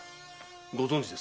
ご存じですか？